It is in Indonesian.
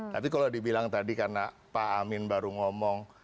tapi kalau dibilang tadi karena pak amin baru ngomong